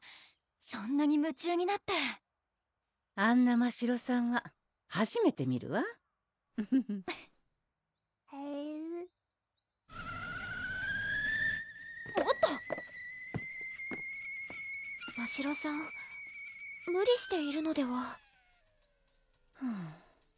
そんなに夢中になってあんなましろさんははじめて見るわフフフえるぅ？おっとましろさん無理しているのではハァ